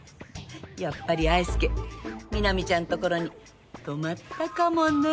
やっぱり愛介南ちゃんのところに泊まったかもね。